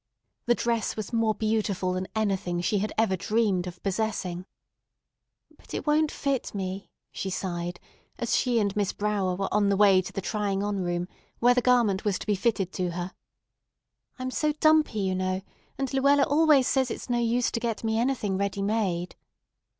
The dress was more beautiful than anything she had ever dreamed of possessing. "But it won't fit me," she sighed as she and Miss Brower were on the way to the "trying on" room, where the garment was to be fitted to her. "I'm so dumpy, you know, and Luella always says it's no use to get me anything ready made."